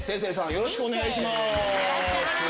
よろしくお願いします。